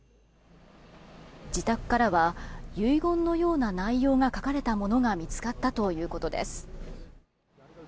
自宅からは遺言のような内容が書かれたものが見つかったということです。